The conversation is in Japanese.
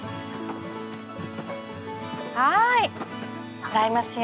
はいもらいますよ。